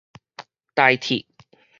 台鐵